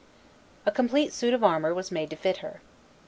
A complete suit of armor was made to fit her.